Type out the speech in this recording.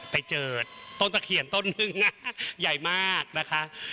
ไปเจอต้นตะเขียนต้นนึงใหญ่มากนะคะ